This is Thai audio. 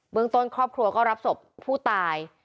เมืองต้นครอบครัวก็รับศพผู้ตาย